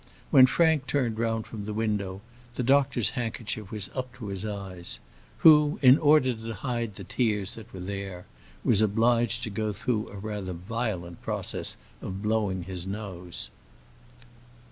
When Frank turned round from the window, the doctor's handkerchief was up to his eyes; who, in order to hide the tears that were there, was obliged to go through a rather violent process of blowing his nose.